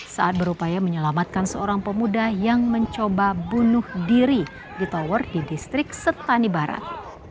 saat berupaya menyelamatkan seorang pemuda yang mencoba bunuh diri di tower di distrik setani barat